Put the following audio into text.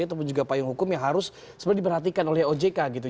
ataupun juga payung hukum yang harus sebenarnya diperhatikan oleh ojk gitu